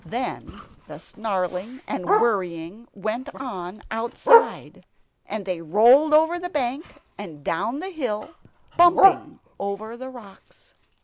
Then the snarling and worrying went on outside; and they rolled over the bank, and down hill, bumping over the rocks.